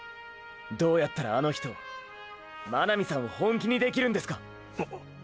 どうやったらあの人をーー真波さんを本気にできるんですか⁉！